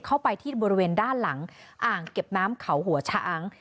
เข้าไปที่บริเวณด้านหลังอ่างเก็บน้ำเขาหัวช้าง